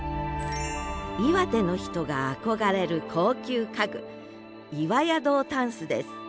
岩手の人が憧れる高級家具岩谷堂箪笥です。